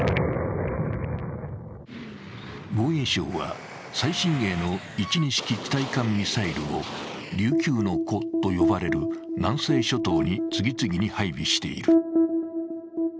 防衛省は最新鋭の１２式地対艦ミサイルを琉球の弧と呼ばれる南西諸島に次々に配備している。